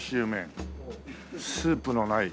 スープのない。